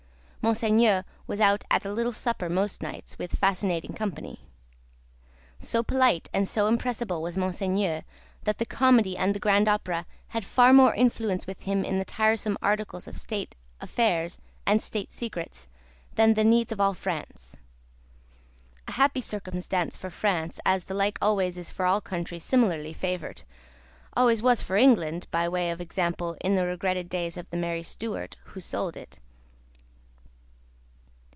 Monseigneur was out at a little supper most nights, with fascinating company. So polite and so impressible was Monseigneur, that the Comedy and the Grand Opera had far more influence with him in the tiresome articles of state affairs and state secrets, than the needs of all France. A happy circumstance for France, as the like always is for all countries similarly favoured! always was for England (by way of example), in the regretted days of the merry Stuart who sold it.